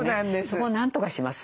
そこをなんとかします。